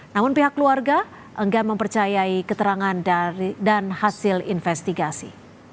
namun pihak keluarga enggak mempercayai keterangan dan hasil investigasi